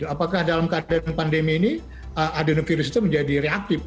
apakah dalam keadaan pandemi ini adenovirus itu menjadi reaktif